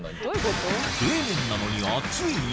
冷麺なのに熱い？